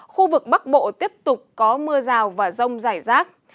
khu vực bắc bộ tiếp tục có mưa rào và rông rải rác